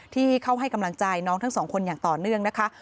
ที่เข้าให้กำลังใจน้องทั้งสองคนอย่างต่อเนื่องนะคะ